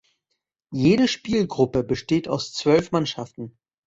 Jede Spielgruppe besteht aus zwölf Mannschaften.